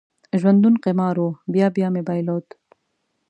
ژوندون قمار و، بیا بیا مې بایلود